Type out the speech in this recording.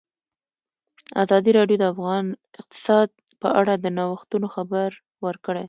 ازادي راډیو د اقتصاد په اړه د نوښتونو خبر ورکړی.